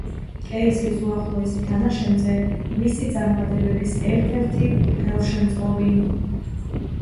კეისრის უახლოესი თანაშემწე, მისი წარმატებების ერთ-ერთი ხელშემწყობი.